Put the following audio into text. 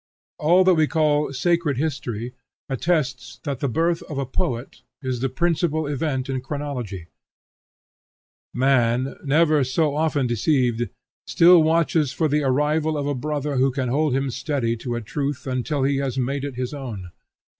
All that we call sacred history attests that the birth of a poet is the principal event in chronology. Man, never so often deceived, still watches for the arrival of a brother who can hold him steady to a truth until he has made it his own.